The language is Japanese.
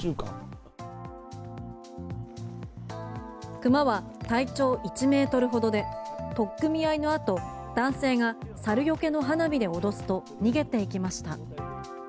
熊は体長１ｍほどで取っ組み合いのあと男性が猿よけの花火で脅すと逃げていきました。